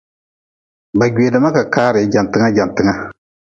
Ba gwedma kakaari jantnga jantnga.